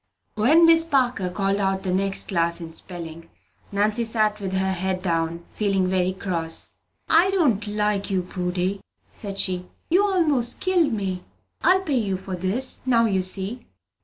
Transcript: When Miss Parker called out the next class in spelling, Nannie sat with her head down, feeling very cross. "I don't like you, Prudy," said she. "You 'most killed me! I'll pay you for this, now you see!"